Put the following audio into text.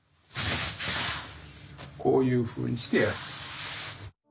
こういうふうにしてやる。